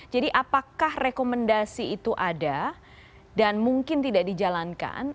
jadi apakah rekomendasi itu ada dan mungkin tidak dijalankan